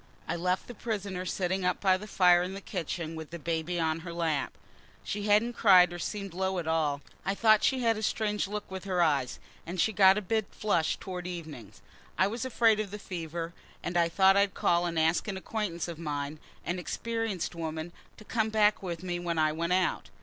I left the prisoner sitting up by the fire in the kitchen with the baby on her lap. She hadn't cried or seemed low at all, as she did the night before. I thought she had a strange look with her eyes, and she got a bit flushed towards evening. I was afraid of the fever, and I thought I'd call and ask an acquaintance of mine, an experienced woman, to come back with me when I went out.